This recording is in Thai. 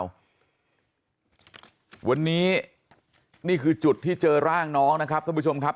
วันนี้นี่คือจุดที่เจอร่างน้องนะครับท่านผู้ชมครับ